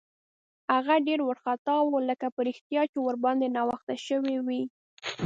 هغه ډېر وارخطا و، لکه په رښتیا چې ورباندې ناوخته شوی وي.